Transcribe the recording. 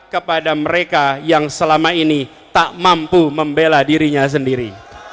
kepada mereka yang selama ini tak mampu membela dirinya sendiri